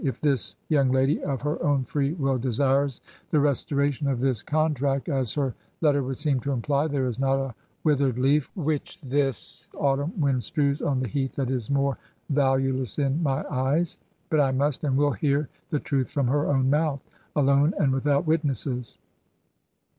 . 'if this young lady of her own free will desires the restoration of this contract, as her letter would seem to imply, there is not a withered leaf which this autumn wind strews on the heath, that is more valueless in my eyes. But I must and will hear the truth from her own mouth ..*. alone, and without witnesses.